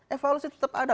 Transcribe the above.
evaluasi tetap ada